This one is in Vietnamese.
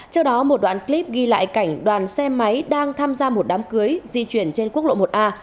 trước đó một đoạn clip ghi lại cảnh đoàn xe máy đang tham gia một đám cưới di chuyển trên quốc lộ một a